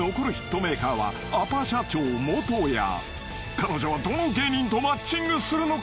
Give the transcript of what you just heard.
［彼女はどの芸人とマッチングするのか？］